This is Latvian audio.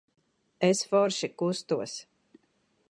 Es forši kustos.